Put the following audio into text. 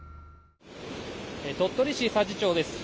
鳥取市佐治町です。